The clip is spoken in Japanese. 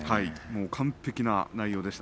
完璧な内容でした。